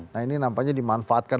nah ini nampaknya dimanfaatkan